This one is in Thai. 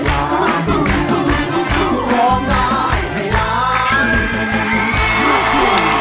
อย่ากระดาษ